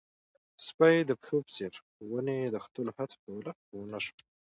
سپي د پيشو په څېر په ونې د ختلو هڅه کوله، خو ونه شول.